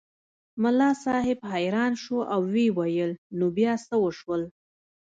ملا صاحب حیران شو او ویې ویل نو بیا څه وشول.